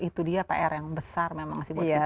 itu dia pr yang besar memang sih buat kita